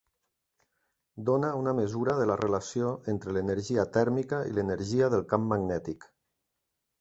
Dóna una mesura de la relació entre l'energia tèrmica i l'energia del camp magnètic.